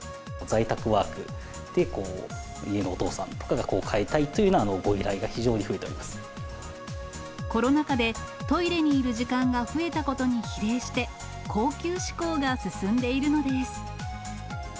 在宅ワークでのお父さんとかが、かえたいというようなご依頼が非コロナ禍で、トイレにいる時間が増えたことに比例して、高級志向が進んでいるのです。